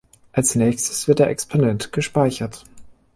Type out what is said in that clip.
Als Nächstes wird der Exponent gespeichert.